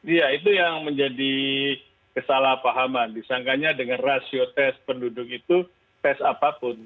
iya itu yang menjadi kesalahpahaman disangkanya dengan rasio tes penduduk itu tes apapun